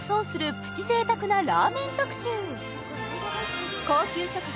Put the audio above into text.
プチ贅沢なラーメン特集高級食材